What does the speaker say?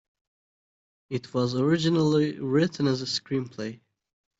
It was originally written as a screenplay.